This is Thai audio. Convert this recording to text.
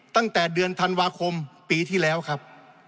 ตั้งแต่เดือนธันวาคมปีที่แล้วครับ